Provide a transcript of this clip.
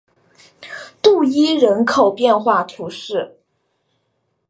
杜伊人口变化图示